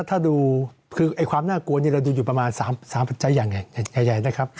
ถ้าดูคือความน่ากลัวนี่เราดูอยู่ประมาณ๓ปัจจัยใหญ่นะครับ